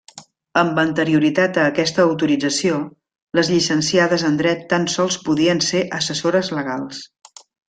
Amb anterioritat a aquesta autorització, les llicenciades en dret tan sols podien ser assessores legals.